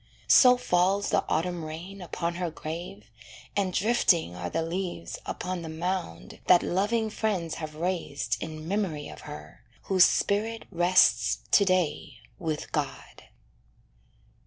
So falls the autumn rain Upon her grave, and drifting are the leaves Upon the mound that loving friends have raised In memory of her, whose spirit rests To day with God.